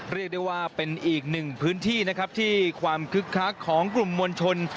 เรียกได้ว่าเป็นอีกหนึ่งพื้นที่นะครับที่ความคึกคักของกลุ่มมวลชน